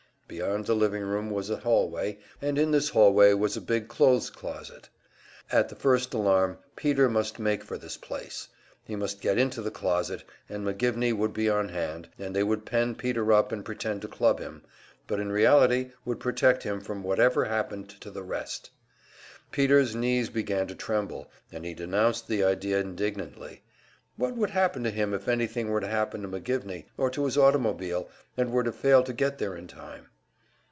Beyond the living room was a hallway, and in this hallway was a big clothes closet. At the first alarm Peter must make for this place. He must get into the closet, and McGivney would be on hand, and they would pen Peter up and pretend to club him, but in reality would protect him from whatever happened to the rest. Peter's knees began to tremble, and he denounced the idea indignantly; what would happen to him if anything were to happen to McGivney, or to his automobile, and were to fail to get there in time?